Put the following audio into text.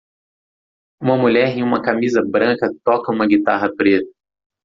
Uma mulher em uma camisa branca toca uma guitarra preta.